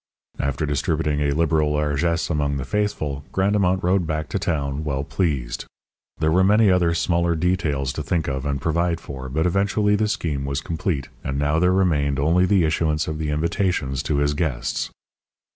After distributing a liberal largesse among the faithful, Grandemont rode back to town well pleased. There were many other smaller details to think of and provide for, but eventually the scheme was complete, and now there remained only the issuance of the invitations to his guests.